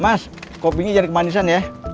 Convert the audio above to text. mas kopinya jadi kemanisan ya